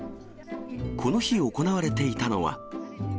この日、行われていたのは。